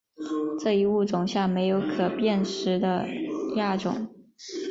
这一物种下没有可辨识的亚种。